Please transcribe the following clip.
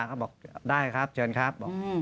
เขาบอกได้ครับเชิญครับ